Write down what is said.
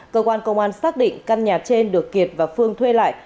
cơ quan công an xác định căn nhà trên được kiệt và phương thuê lại